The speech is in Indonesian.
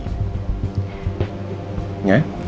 yaudah yaudah terserah kamu